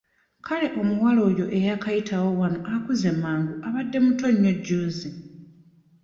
Kale omuwala oyo eyaakayitawo wano akuze mangu abadde muto nnyo jjuuzi.